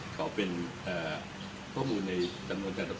ก็เป็นข้อมูลในสังวนการทศพลกันนะครับ